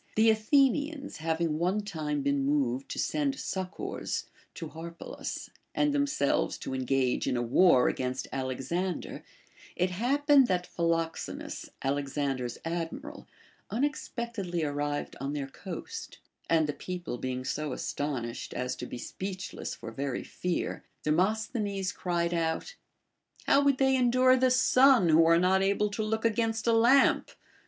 The Athenians having one time been moved to send succors to Harpalus, and themselves to engage in a war against Alex ander, it happened that Philoxenus, Alexander's admiral, * Hesiod, Works and Days, 342 VOL. I. ό 66 BASHFULNESS. unexpectedly arrived on their coast ; and the people being so astonished as to be speechless for very fear, Demos thenes cried out : How would they endure the sun, who are not able to look against a lamp